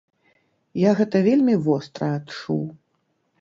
Я гэта вельмі востра адчуў.